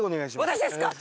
私ですか！？